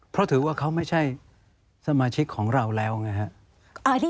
เพราะถือว่าเขาไม่ใช่สมาชิกของเราแล้วไงฮะ